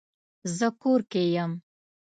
زه کور کې یم